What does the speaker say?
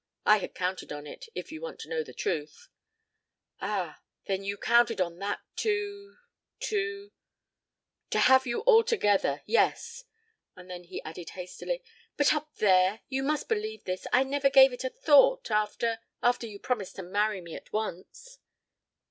I had counted on it, if you want to know the truth." "Ah! Then you counted on that to to " "To have you altogether. Yes." And then he added hastily: "But up there you must believe this I never gave it a thought after after you promised to marry me at once."